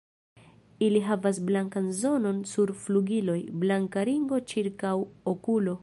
Ili havas blankan zonon sur flugiloj, blanka ringo ĉirkaŭ okulo.